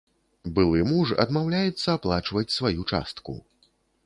Былы муж адмаўляецца аплачваць сваю частку.